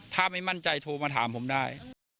ถ้าไม่มั่นใจโทรมาถามผมได้